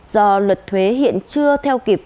do luật thuế hiện chưa theo kịp